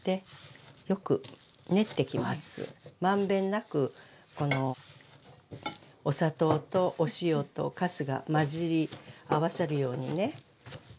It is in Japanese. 満遍なくこのお砂糖とお塩とかすが混じり合わさるようにね。